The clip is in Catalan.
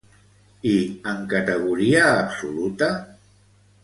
I en categoria absoluta?